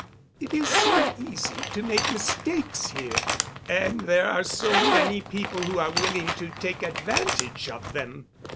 It is so easy to make mistakes here, and there are so many people who are willing to take advantage of them."